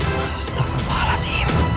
masih tak memahalasi